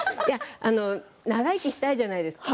長生きしたいじゃないですか。